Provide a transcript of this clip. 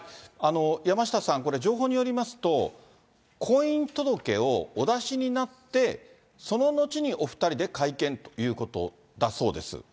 山下さん、これ、情報によりますと、婚姻届をお出しになって、その後にお２人で会見ということだそうです。